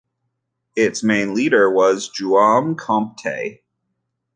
Its main leader was Jaume Compte.